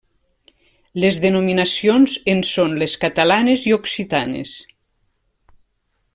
Les denominacions en són les catalanes i occitanes.